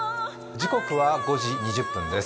時刻は５時２０分です。